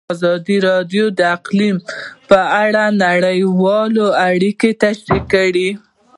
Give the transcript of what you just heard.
ازادي راډیو د اقلیم په اړه نړیوالې اړیکې تشریح کړي.